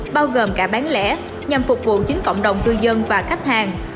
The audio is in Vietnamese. bao gồm cả bán lẻ nhằm phục vụ chính cộng đồng cư dân và khách hàng